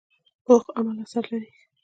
پوخ عمل اثر لري